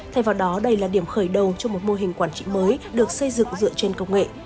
thay vào đó đây là điểm khởi đầu cho một mô hình quản trị mới được xây dựng dựa trên công nghệ